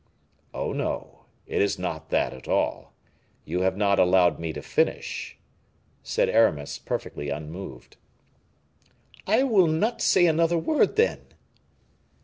"Oh, no, it is not that at all; you have not allowed me to finish," said Aramis, perfectly unmoved. "I will not say another word, then."